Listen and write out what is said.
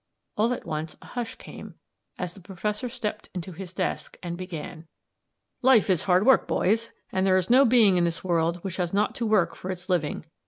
All at once the hush came, as the Principal stepped into his desk and began: "Life is hard work, boys, and there is no being in this world which has not to work for its living.